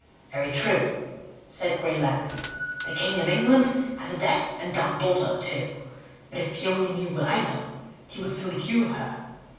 "Very true!" said Greylegs. "The king of England has a deaf and dumb daughter too; but if he only knew what I know, he would soon cure her.